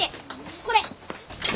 これ。